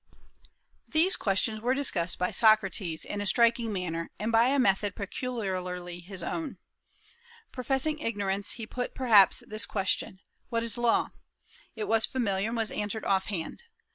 These questions were discussed by Socrates in a striking manner, and by a method peculiarly his own. "Professing ignorance, he put perhaps this question: What is law? It was familiar, and was answered offhand.